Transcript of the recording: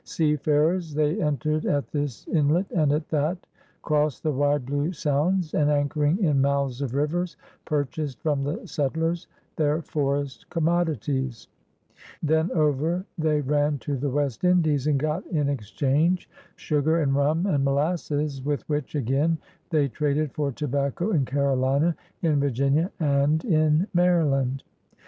Seafarers, they entered at this inlet and at that, crossed the wide blue sounds, and, anchoring in mouths of rivers, pur* chased from the settlers their forest commodities. Then over they ran to the West Indies, and got m exchange sugar and rum and molasses, with which again they traded for tobacco in Carolina, in Virginia, and in Maryland.